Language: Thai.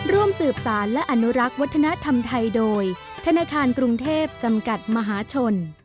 ร่วมสืบสารและอนุรักษ์วัฒนธรรมไทยโดยธนาคารกรุงเทพจำกัดมหาชน